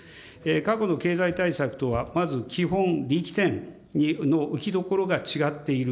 過去の経済対策とはまず、基本、力点の置き所が違っている。